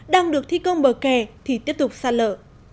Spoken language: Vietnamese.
đang được thi công bờ kè thì tiếp tục sạt lở